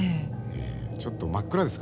ええちょっと真っ暗ですからね。